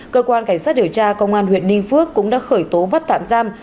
cơ quan cảnh sát điều tra công an huyện ninh phước cũng đã khởi tố bắt tạm giam